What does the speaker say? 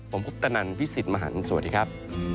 ผมคุปตนันพี่สิทธิ์มหันฯสวัสดีครับ